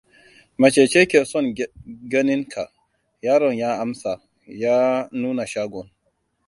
Mace ce ke son ganin ka; yaron ya amsa, ya nuna shagon.